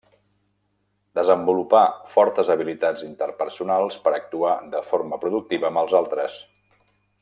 Desenvolupar fortes habilitats interpersonals per actuar de forma productiva amb els altres.